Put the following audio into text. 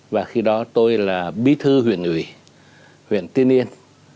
và khi đó tôi là bí thư huyện ủy huyện tiên yên